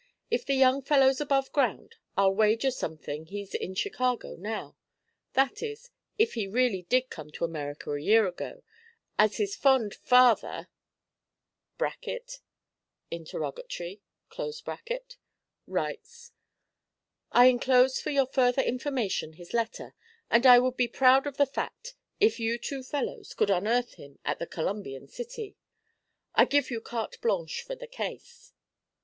If the young fellow's above ground I'll wager something he's in Chicago now; that is, if he really did come to America a year ago, as his fond father (?) writes. I enclose for your further information his letter; and I would be proud of the fact if you two fellows could unearth him at the Columbian City. I give you carte blanche for the case."'